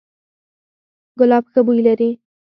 ګلاب ښه بوی لري